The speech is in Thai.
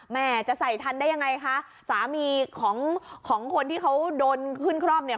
แม่จะใส่ทันได้ยังไงคะสามีของของคนที่เขาโดนขึ้นคร่อมเนี่ย